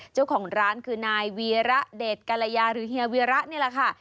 เจ้าของร้านคือนายวีระเดชกรยาหรือเฮียวีระนี่แหละค่ะ